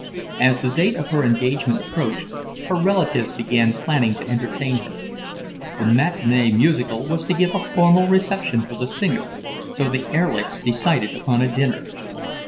As the date of her engagement approached, her relatives began planning to entertain her. The Matinee Musical was to give a formal reception for the singer, so the Erlichs decided upon a dinner.